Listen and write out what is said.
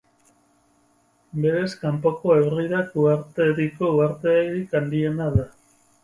Berez Kanpoko Hebridak uhartediko uharterik handiena da.